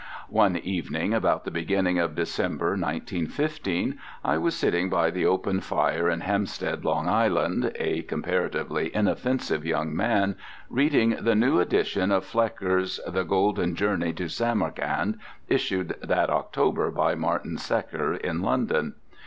One evening about the beginning of December, 1915, I was sitting by the open fire in Hempstead, Long Island, a comparatively inoffensive young man, reading the new edition of Flecker's "The Golden Journey to Samarkand" issued that October by Martin Secker in London.